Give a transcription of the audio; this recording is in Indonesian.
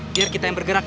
biar kita yang bergeraknya